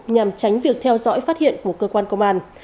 nhằm tránh việc theo dõi phát hiện của cơ quan công an